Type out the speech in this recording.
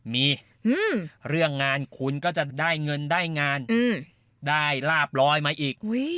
มีเรื่องงานคุณก็จะได้เงินได้งานได้ลาบลอยมาอีก